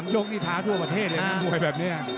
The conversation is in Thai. ยกนี่ท้าทั่วประเทศเลยนะมวยแบบนี้